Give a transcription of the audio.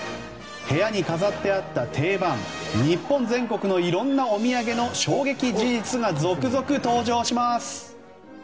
部屋に飾ってあった定番日本全国の色んなお土産の衝撃事実が続々登場します。